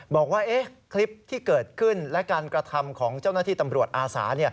บอกว่าคลิปที่เกิดขึ้นและการกระทำของเจ้าหน้าที่ตำรวจอาสา